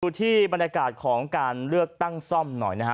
ที่บรรยากาศของการเลือกตั้งซ่อมหน่อยนะฮะ